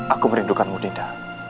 aku merindukanmu dinda